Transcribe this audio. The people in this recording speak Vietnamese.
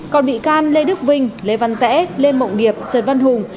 còn bị can lê đức vinh lê văn rẽ lê mộng điệp trần văn hùng